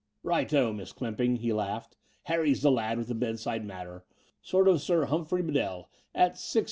*'Right oh, Miss Clymping," he laughed. "Harry's the lad with the bedside manner — sort of Sir Humphrey Bedell at 6st.